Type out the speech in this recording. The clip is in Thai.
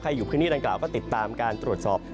อยู่พื้นที่ดังกล่าวก็ติดตามการตรวจสอบ